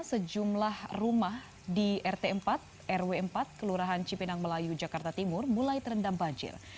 sejumlah rumah di rt empat rw empat kelurahan cipinang melayu jakarta timur mulai terendam banjir